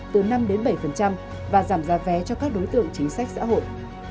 từ năm đến bảy và giảm giá vé cho các đối tượng chính sách xã hội